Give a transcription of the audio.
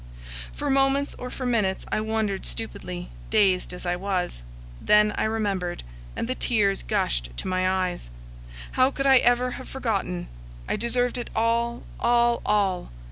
For moments or for minutes I wondered stupidly, dazed as I was. Then I remembered and the tears gushed to my eyes. How could I ever have forgotten? I deserved it all, all, all!